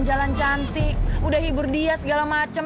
jalan cantik udah hibur dia segala macem